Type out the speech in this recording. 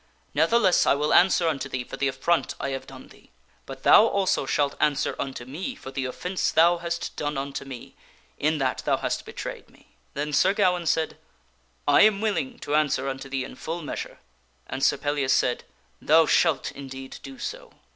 Ne'theless, I will answer unto thee for the affront I have done thee. But thou also shalt answer unto me for the offence thou hast done unto me, in that thou hast betrayed me." Then Sir Gawaine said, " I am willing to answer unto thee in full measure." And Sir Pellias said, " Thou shalt indeed do so."